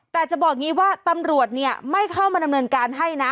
แต่จะบอกอย่างนี้ว่าตำรวจเนี่ยไม่เข้ามาดำเนินการให้นะ